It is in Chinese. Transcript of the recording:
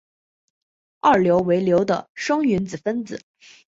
二硫为硫的双原子分子。